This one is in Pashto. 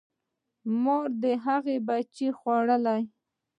مار د هغه بچیان خوړل.